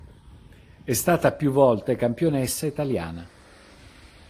È stata più volte campionessa italiana.